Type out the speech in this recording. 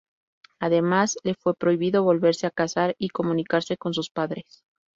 Además, le fue prohibido volverse a casar y comunicarse con sus padres.